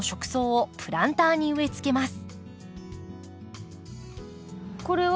はいプランターに植え替えます。